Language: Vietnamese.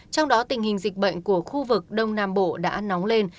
trong đó tình hình dịch bệnh của khu vực đông nam bộ đã nóng lên